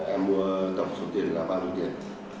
em mua tổng số tiền là bao nhiêu tiền